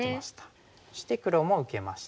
そして黒も受けまして。